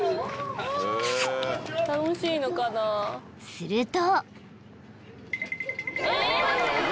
［すると］